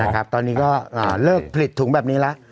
ครับตอนนี้ก็เลิกผลิตถุงแบบนี้ละ